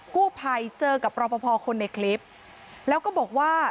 กู้ภัยเจอกับรอปภคนในคลิปแล้วก็บอกว่า